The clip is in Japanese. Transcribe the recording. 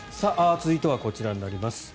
続いては、こちらになります。